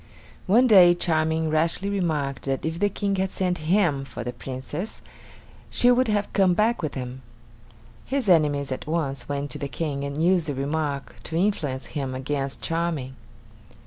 One day Charming rashly remarked that if the King had sent him for the Princess, she would have come back with him. His enemies at once went to the King and used the remark to influence him against Charming.